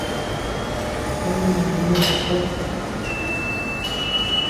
Jee nunñoo uu.